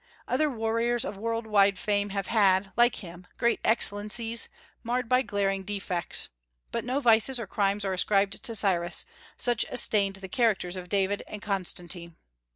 Other warriors of world wide fame have had, like him, great excellencies, marred by glaring defects; but no vices or crimes are ascribed to Cyrus, such as stained the characters of David and Constantine.